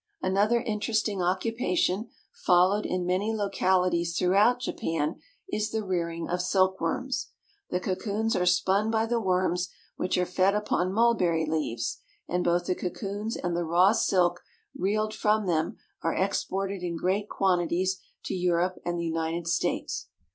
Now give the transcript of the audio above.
Another interesting occupation, followed in many locali ties throughout Japan, is the rearing of silkworms. The cocoons are spun by the worms, which are fed upon mul berry leaves, and both the cocoons and the raw silk reeled from them are exported in great quantities to Europe and the United States.